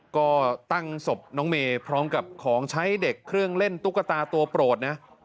ก็ตั้งศพน้องเมย์พร้อมกับของใช้เด็กเครื่องเล่นตุ๊กตาตัวโปรดนะ